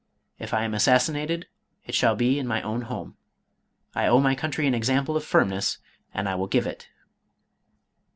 If I am assassinated, it shall be in my own home. I owe my country an example of firmness and I will give it."